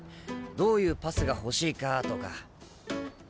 どういうパスが欲しいかとか。